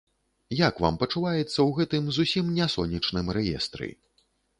Як вам пачуваецца ў гэтым зусім не сонечным рэестры?